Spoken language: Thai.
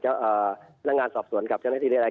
พนักงานสอบสวนกับเจ้าหน้าที่เรียกอะไร